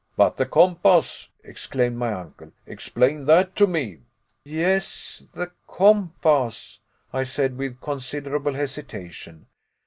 "But the compass!" exclaimed my uncle; "explain that to me!" "Yes the compass," I said with considerable hesitation.